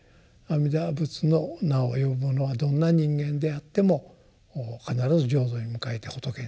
阿弥陀仏の名を呼ぶものはどんな人間であっても必ず浄土に迎えて仏にすると。